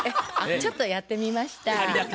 ちょっとやってみました。